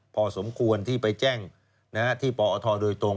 พอสมควรที่ไปแจ้งที่ปอทโดยตรง